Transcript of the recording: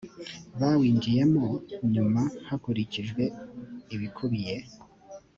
bawinjiyemo nyuma hakurikijwe ibikubiye